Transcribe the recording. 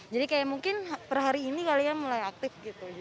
jadi kayak mungkin per hari ini kalian mulai aktif gitu